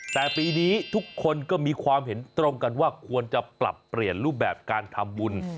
แต่ปีนี้ทุกคนก็มีความเห็นตรงกันว่าควรจะปรับเปลี่ยนรูปแบบการทำบุญ